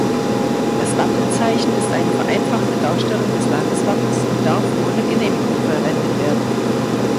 Das Wappenzeichen ist eine vereinfachte Darstellung des Landeswappens und darf ohne Genehmigung verwendet werden.